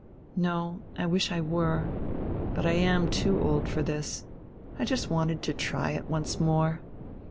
"No, I wish I were. But I am too old for this; I just wanted to try it once more.